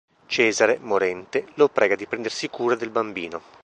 Cesare, morente, lo prega di prendersi cura del bambino.